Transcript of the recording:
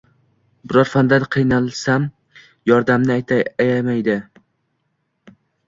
Biror fandan qiynalsam, yordamini ayamaydi